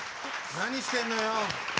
何してんのよ。